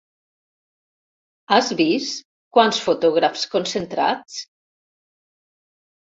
Has vist quants fotògrafs concentrats!